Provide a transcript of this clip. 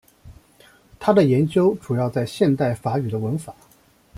他的研究主要在现代法语的文法。